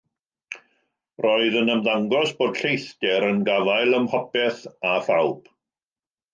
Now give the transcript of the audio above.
Roedd yn ymddangos bod lleithder yn gafael ym mhopeth a phawb.